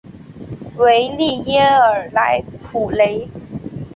维利耶尔莱普雷。